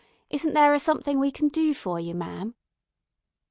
Isn't there a something we can du for you, ma'am?"